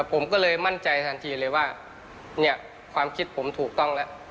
ผมก็เลยมั่นใจทันทีเลยว่าเนี่ยความคิดผมถูกต้องแล้ว